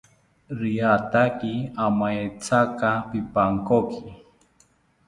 Riataki amaetyaka pipankoki